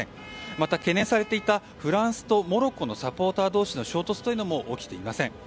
また懸念されていたフランスとモロッコのサポーター同士の衝突というのも起きていません。